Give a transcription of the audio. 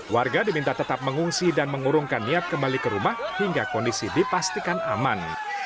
warga diminta tetap mengungsi dan mengurungkan niat kembali ke rumah hingga kondisi dipastikan aman